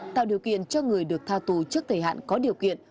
tạo điều kiện cho người được tha tù trước thời hạn có điều kiện